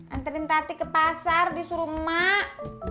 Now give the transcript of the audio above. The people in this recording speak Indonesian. anterin tati ke pasar disuruh emak